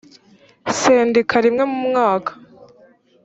sendika rimwe mu mwaka